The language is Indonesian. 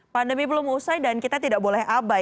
pandemi belum usai dan kita tidak boleh abai